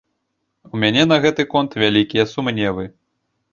У мяне на гэты конт вялікія сумневы.